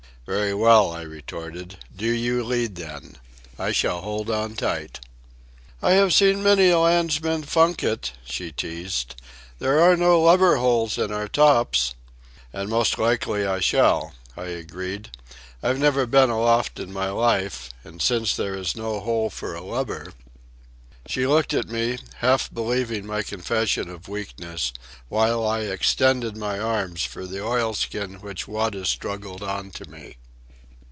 "Very well," I retorted; "do you lead then. I shall hold on tight." "I have seen many a landsman funk it," she teased. "There are no lubber holes in our tops." "And most likely I shall," I agreed. "I've never been aloft in my life, and since there is no hole for a lubber." She looked at me, half believing my confession of weakness, while I extended my arms for the oilskin which Wada struggled on to me.